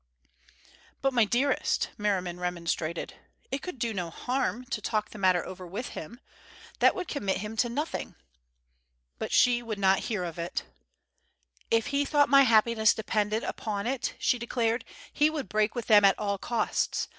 "But, my dearest," Merriman remonstrated, "it could do no harm, to talk the matter over with him. That would commit him to nothing." But she would not hear of it. "If he thought my happiness depended on it," she declared, "he would break with them at all costs.